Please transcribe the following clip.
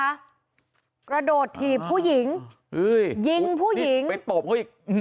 แป้งนะคะกระโดดถีบผู้หญิงอื้อยิงผู้หญิงไปโตบเขาอีกอื้อ